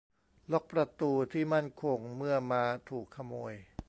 ล็อคประตูที่มั่นคงเมื่อม้าถูกขโมย